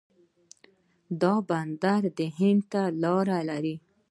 دا بندر هند ته لاره لري.